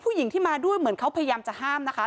ผู้หญิงที่มาด้วยเหมือนเขาพยายามจะห้ามนะคะ